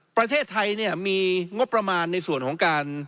ประเทศไทยเนี่ยมีงบประมาณในส่วนของการ